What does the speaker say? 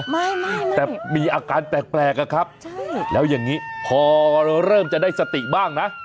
ไม่ไม่แต่มีอาการแปลกอะครับใช่แล้วอย่างนี้พอเริ่มจะได้สติบ้างนะ